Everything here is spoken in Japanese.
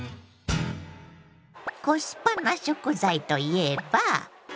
コスパな食材といえば。